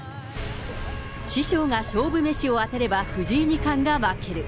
師匠が勝負メシを当てれば藤井二冠が負ける。